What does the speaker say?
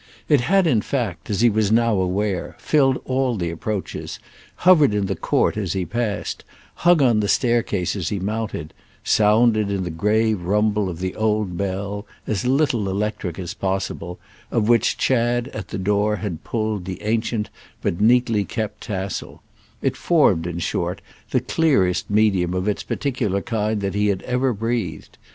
It had in fact, as he was now aware, filled all the approaches, hovered in the court as he passed, hung on the staircase as he mounted, sounded in the grave rumble of the old bell, as little electric as possible, of which Chad, at the door, had pulled the ancient but neatly kept tassel; it formed in short the clearest medium of its particular kind that he had ever breathed.